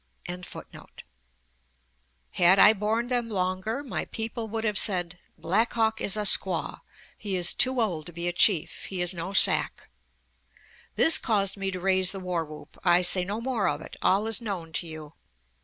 "] Had I borne them longer my people would have said: 'Black Hawk is a squaw; he is too old to be a chief; he is no Sac.' This caused me to raise the war whoop. I say no more of it; all is known to you."